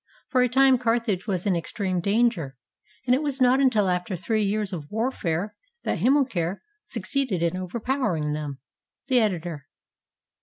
For a time Carthage was in extreme danger, and it was not until after three years of war fare that Hamilcar succeeded in overpowering them. The Editor.